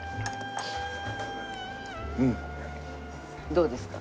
どうですか？